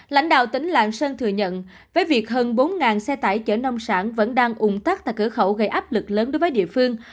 lãnh đạo tỉnh lạng sơn thừa nhận với việc hơn bốn xe tải chở nông sản vẫn đang ủng tắc tại cửa khẩu gây áp lực lớn đối với địa phương